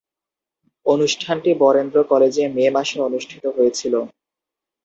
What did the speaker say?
অনুষ্ঠানটি বরেন্দ্র কলেজে মে মাসে অনুষ্ঠিত হয়েছিলো।